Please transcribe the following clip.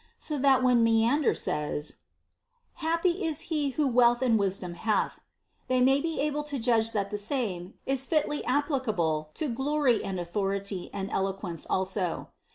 So that when Menander says, Happy is he who wealth and wisdom hath, they may be able to judge that the same is fitly applicable to glory and authority and eloquence also.